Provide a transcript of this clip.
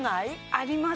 あります